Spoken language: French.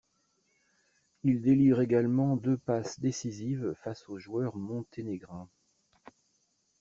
Il délivre également deux passes décisives face aux joueurs monténégrins.